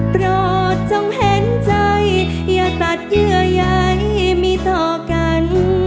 โปรดจงเห็นใจอย่าตัดเยื่อใยมีต่อกัน